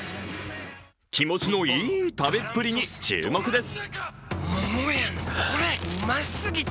気持ちのいい食べっぷりに注目です。